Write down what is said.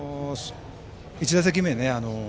１打席目